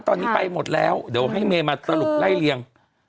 ตอนนี้ไปหมดแล้วเดี๋ยวให้เมย์มาสรุปไล่เรียง